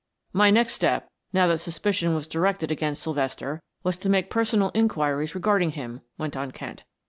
"My next step, now that suspicion was directed against Sylvester, was to make personal inquiries regarding him," went on Kent.